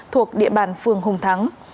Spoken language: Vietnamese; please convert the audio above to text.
thuộc địa bàn phường hùng thắng